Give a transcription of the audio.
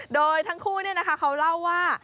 โดยทั้งคู่นี้นะคะเขาเล่าว่า